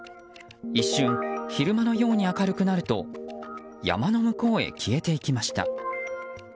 一瞬、昼間のように明るくなると山の向こうへ消えていきました。